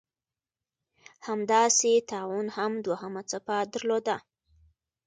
همداسې طاعون هم دوهمه څپه درلوده.